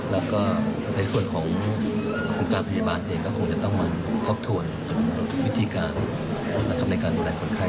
แล้วก็ในส่วนของคุณการพยาบาลเองก็คงจะต้องมาทบทวนวิธีการในการดูแลคนไข้